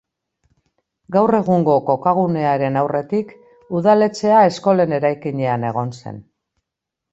Gaur egungo kokagunearen aurretik, udaletxea eskolen eraikinean egon zen.